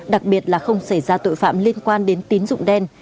đặc biệt là không xảy ra tội phạm liên quan đến tín dụng đen